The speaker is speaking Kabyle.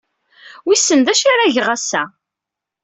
Wissen d acu ara geɣ ass-a.